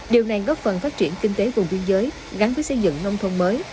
điều này góp phần phát triển kinh tế vùng biên giới gắn với xây dựng nông thôn mới